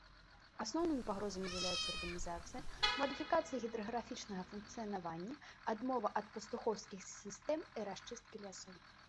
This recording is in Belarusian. Асноўнымі пагрозамі з'яўляюцца урбанізацыя, мадыфікацыя гідраграфічнага функцыянавання, адмова ад пастухоўскіх сістэм і расчысткі лясоў.